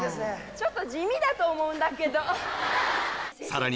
ちょっと地味だと思うんだけどさらに